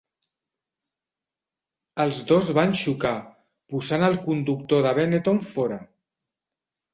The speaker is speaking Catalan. Els dos van xocar, posant el conductor de Benetton fora.